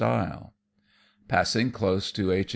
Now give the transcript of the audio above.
49 style. Passing close to H.